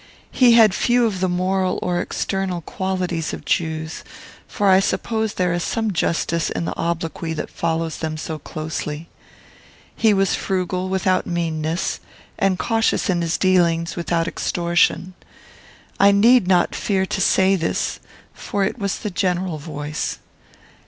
He had few of the moral or external qualities of Jews; for I suppose there is some justice in the obloquy that follows them so closely. He was frugal without meanness, and cautious in his dealings, without extortion. I need not fear to say this, for it was the general voice.